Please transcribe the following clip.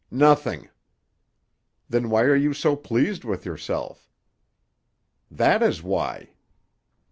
"Nothing." "Then why are you so pleased with yourself?" "That is why."